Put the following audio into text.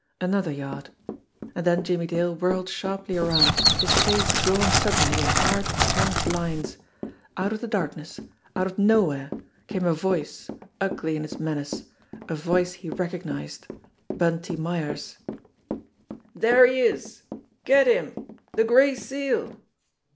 Another yard and then Jimmie Dale whirled sharply around, his face drawn sud denly in hard, tense lines. Out of the darkness, out of the nowhere, came a voice, ugly in its menace, a voice he recog nised Bunty Myers': "There he is! Get him! The Gray Seal!"